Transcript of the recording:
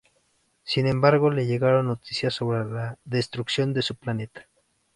Sin embargo, le llegaron noticias sobre la destrucción de su planeta.